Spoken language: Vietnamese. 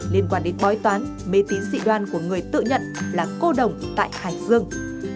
liên quan đến bói toán mê tín dị đoan của người tự nhận là cô đồng tại hải dương